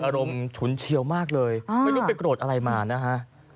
อารมณ์ฉุนเชียวมากเลยไม่รู้เป็นโกรธอะไรมานะคะ